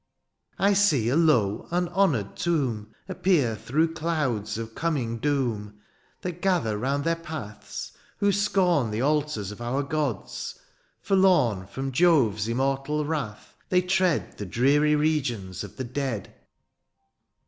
cs ^^ I see a low unhonoured tomb '^ Appear through clouds of coming doom, '^ That gather round their paths who scorn '' The altars of our gods — ^forlorn, '' From Jove's immortal wrath, they tread The dreary regions of the dead.